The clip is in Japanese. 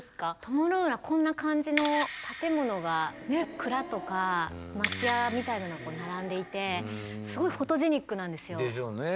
こんな感じの建物が蔵とか町屋みたいなのが並んでいてすごいフォトジェニックなんですよ。でしょうね。